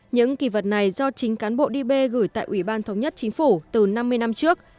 những kỳ vật này do chính cán bộ db gửi tại ủy ban thống nhất chính phủ từ năm mươi năm trước